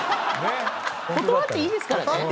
断っていいですからね。